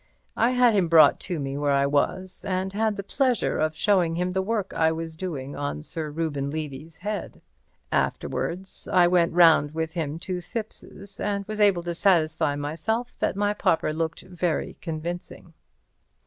I had him brought to me where I was, and had the pleasure of showing him the work I was doing on Sir Reuben Levy's head. Afterwards I went round with him to Thipps's and was able to satisfy myself that my pauper looked very convincing.